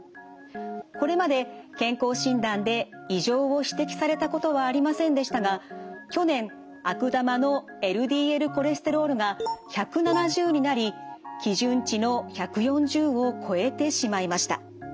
これまで健康診断で異常を指摘されたことはありませんでしたが去年悪玉のＬＤＬコレステロールが１７０になり基準値の１４０を超えてしまいました。